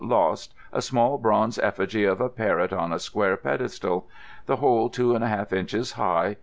—Lost: a small bronze effigy of a parrot on a square pedestal; the whole two and a half inches high.